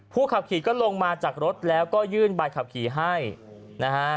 ขับขี่ก็ลงมาจากรถแล้วก็ยื่นใบขับขี่ให้นะฮะ